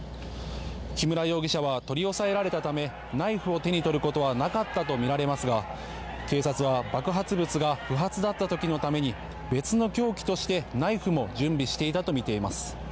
木村容疑者は取り押さえられたためナイフを手に取ることはなかったとみられますが警察は爆発物が不発だった時のために別の凶器として、ナイフも準備していたとみています。